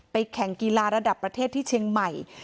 แข่งกีฬาระดับประเทศที่เชียงใหม่